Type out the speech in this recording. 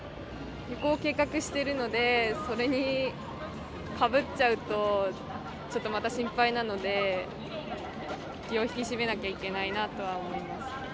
旅行を計画しているので、それにかぶっちゃうと、ちょっとまた心配なので、気を引き締めなきゃいけないなとは思います。